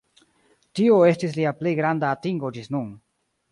Tio estis lia plej granda atingo ĝis nun.